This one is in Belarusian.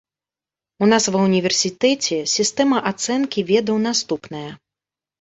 У нас ва ўніверсітэце сістэма ацэнкі ведаў наступная.